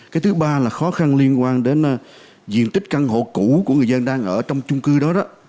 cái thứ ba là khó khăn liên quan đến diện tích căn hộ cũ của người dân đang ở trong chung cư đó đó